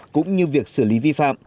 cũng như việc xử lý vi phạm